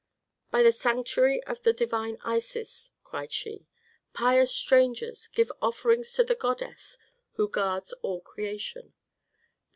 "By the sanctuary of the divine Isis!" cried she, "pious strangers, give offerings to the goddess who guards all creation.